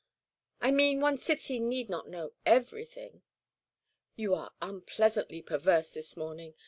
"I meant one's city need not know everything." "You are unpleasantly perverse this morning.